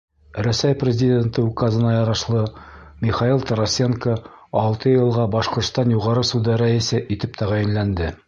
Рәсәй Президенты Указына ярашлы, Михаил Тарасенко алты йылға Башҡортостан Юғары суды рәйесе итеп тәғәйенләнде.